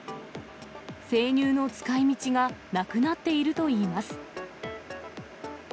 生乳の使いみちがなくなっているといいます。